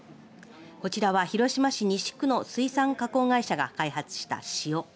こちらは広島市西区の水産加工会社が開発した塩。